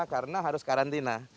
karena harus karantina